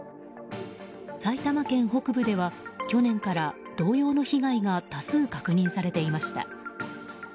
埼玉県北部では去年から同様の被害が多数確認されていました。